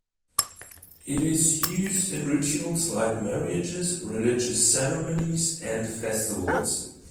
It is used in rituals like marriages, religious ceremonies and festivals.